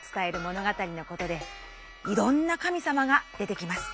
語のことでいろんな神さまが出てきます。